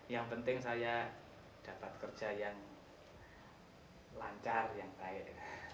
yang penting saya dapat kerja yang lancar yang baik